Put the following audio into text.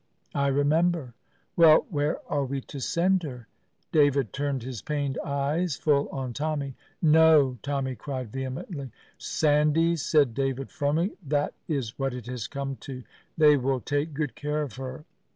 "I remember." "Well, where are we to send her?" David turned his pained eyes full on Tommy. "No!" Tommy cried vehemently. "Sandys," said David, firmly, "that is what it has come to. They will take good care of her."